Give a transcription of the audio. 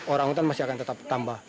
orang hutan masih akan tetap tambah